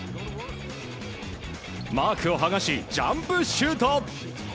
マークをはがしジャンプシュート。